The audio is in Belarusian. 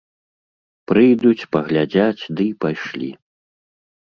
Прыйдуць, паглядзяць дый пайшлі.